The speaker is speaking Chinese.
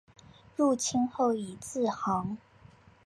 入清后以字行。